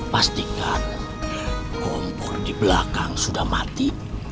pastikan kompor di belakang sudah mati